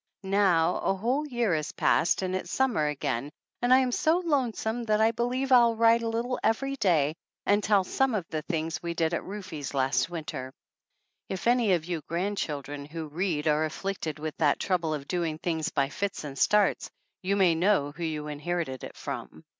Now a whole year has passed and it is summer again and I am so lonesome that I believe I'll write a little every day and tell some of the things we did at Rufe's last winter. If any of you grandchildren who read are afflicted with that trouble of doing things by fits and starts you may know who you inherited it from.